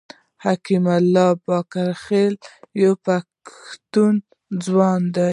حکیم الله بابکرخېل یو پښتون ځوان دی.